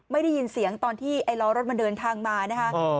ไม่ได้ยินเสียงตอนที่ไอ้ล้อรถมันเดินทางมานะคะ